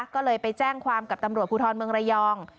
ก็เลยไปแจ้งความกับตำรวจภูทรเมืองระยอง